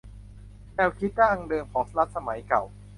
แนวคิดดั้งเดิมของรัฐสมัยเก่า